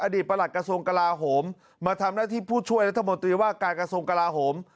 ประหลัดกระทรวงกลาโหมมาทำหน้าที่ผู้ช่วยรัฐมนตรีว่าการกระทรวงกลาโหม